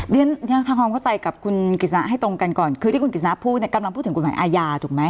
เรียนทำความเข้าใจกับคุณกิจสนะให้ตรงกันก่อนคือที่คุณกิจสนะพูดเนี่ยกำลังพูดถึงกฎหมายอาญาถูกไหม